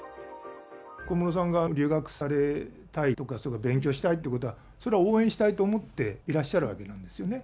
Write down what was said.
小室さんが留学されたいとか、勉強したいということは、それは応援したいと思ってらっしゃるわけなんですよね。